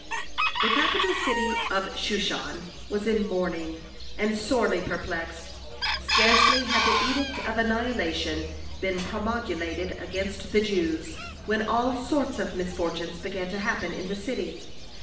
The capital city of Shushan was in mourning and sorely perplexed. Scarcely had the edict of annihilation been promulgated against the Jews, when all sorts of misfortunes began to happen in the city.